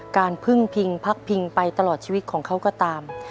การพึ่งพิงพักพิงไปตลอดชีวิตของเขาก็ตาม